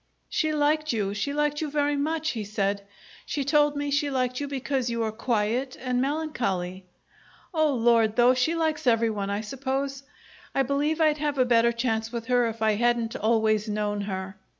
"She liked you, she liked you very much," he said. "She told me she liked you because you were quiet and melancholy. Oh Lord, though, she likes everyone, I suppose! I believe I'd have a better chance with her if I hadn't always known her.